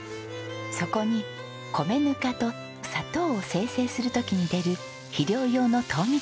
そこに米ぬかと砂糖を精製する時に出る肥料用の糖蜜を加えます。